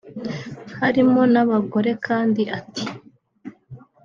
harimo n’abagore kandi ati